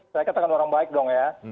saya katakan orang baik dong ya